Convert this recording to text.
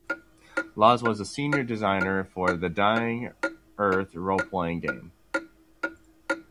Laws was the senior designer for "The Dying Earth Roleplaying Game".